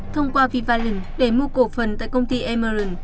thông qua vivalent để mua cổ phần tại công ty emerald